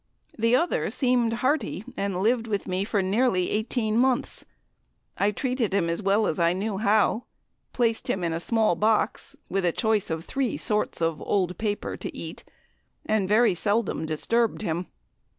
The other seemed hearty and lived with me for nearly eighteen months. I treated him as well as I knew how; placed him in a small box with the choice of three sorts of old paper to eat, and very seldom disturbed him.